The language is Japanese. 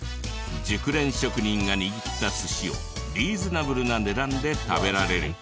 熟練職人が握った寿司をリーズナブルな値段で食べられる。